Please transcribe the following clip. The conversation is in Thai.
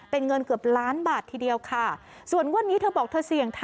เป็นเงินเกือบล้านบาททีเดียวค่ะส่วนงวดนี้เธอบอกเธอเสี่ยงทา